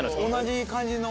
同じ感じの。